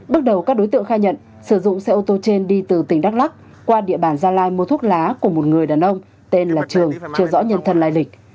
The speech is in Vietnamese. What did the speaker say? bước đầu các đối tượng khai nhận sử dụng xe ô tô trên đi từ tỉnh đắk lắc qua địa bàn gia lai mua thuốc lá của một người đàn ông tên là trường chưa rõ nhân thân lai lịch